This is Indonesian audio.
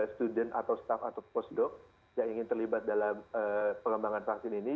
student atau staff atau posdok yang ingin terlibat dalam pengembangan vaksin ini